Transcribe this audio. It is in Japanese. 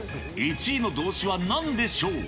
１位の動詞はなんでしょう。